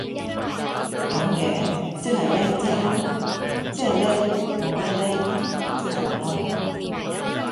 咁嘅，即係呢即係咁，即係呢我覺得呢，即係咁囉